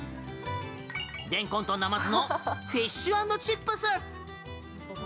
レンコンとナマズのフィッシュ・アンド・チップス。